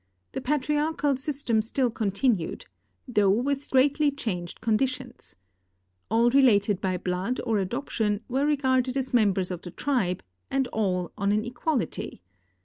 The patriarchal system still continued, though with greatly changed conditions. All related by blood or adoption were regarded as members of the tribe and all on an equality.